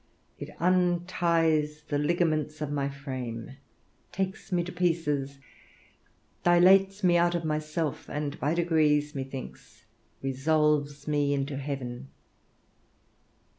It unties the ligaments of my frame, takes me to pieces, dilates me out of myself, and by degrees, methinks, resolves me into heaven.